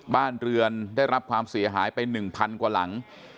บ้านเรือนได้รับความเสียหายไป๑๐๐กว่าหลัง